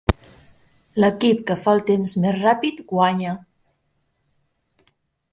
L'equip que fa el temps més ràpid guanya.